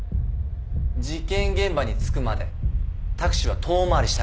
事件現場に着くまでタクシーは遠回りしたろ。